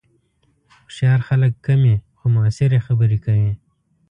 هوښیار خلک کمې، خو مؤثرې خبرې کوي